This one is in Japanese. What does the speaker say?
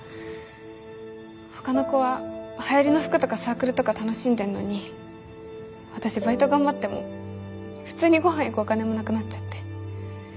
他の子は流行りの服とかサークルとか楽しんでんのに私バイト頑張っても普通にご飯行くお金もなくなっちゃって。